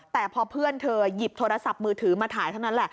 แต่พอเพื่อนเธอหยิบโทรศัพท์มือถือมาถ่ายเท่านั้นแหละ